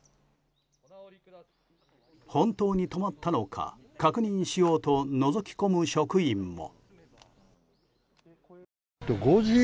本当に止まったのか確認しようとのぞき込む職員も。